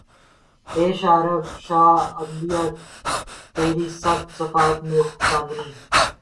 اے شہ عرب شہ انبیاء تیری سب صفات میں چاندنی